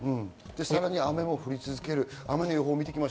さらに雨も降り続ける。